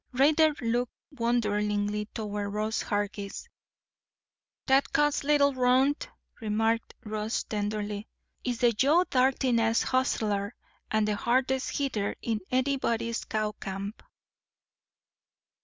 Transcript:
Raidler looked wonderingly toward Ross Hargis. "That cussed little runt," remarked Ross tenderly, "is the Jo dartin'est hustler—and the hardest hitter in anybody's cow camp."